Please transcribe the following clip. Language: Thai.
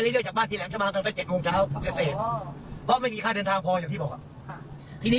ที่นี้จากเนี่ย